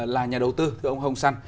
là nhà đầu tư thưa ông hồng săn